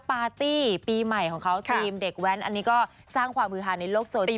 ปาร์ตี้ปีใหม่ของเขาทีมเด็กแว้นอันนี้ก็สร้างความฮือฮาในโลกโซเชียล